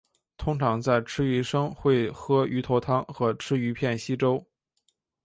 通常在吃鱼生会喝鱼头汤和吃鱼片稀粥。